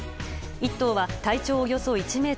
１頭は体長およそ１ｍ。